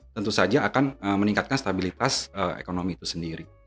tentu saja akan meningkatkan stabilitas ekonomi itu sendiri